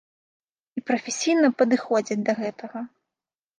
І прафесійна падыходзіць да гэтага.